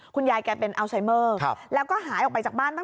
คุณยายแกเป็นอัลไซเมอร์แล้วก็หายออกไปจากบ้านบ้าง